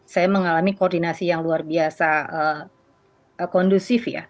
saya mengalami koordinasi yang luar biasa kondusif ya